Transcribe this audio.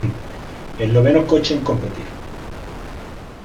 El noveno coche en competir.